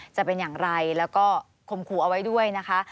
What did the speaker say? จะเป็นอย่างไรแล้วก็คมครูเอาไว้ด้วยนะคะ